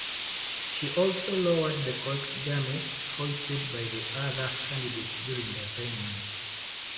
She also lowered the correct garments hoisted by the other candidates during the assignment.